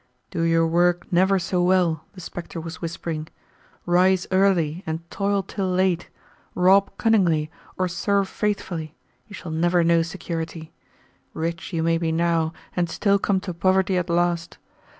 "Do your work never so well," the spectre was whispering "rise early and toil till late, rob cunningly or serve faithfully, you shall never know security. Rich you may be now and still come to poverty at last.